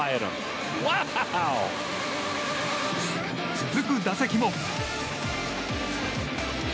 続く打席も。